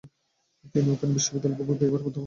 তিনি ওপেন বিশ্ববিদ্যালয়ের ভূগোল বিভাগের অধ্যাপক ছিলেন।